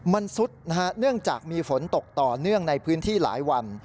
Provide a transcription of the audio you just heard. มันซุดนะฮะเนื่องจากมีฝนตกต่อเนื่องในพื้นที่หลายวัน